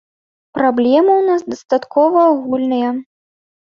Праблемы ў нас дастаткова агульныя.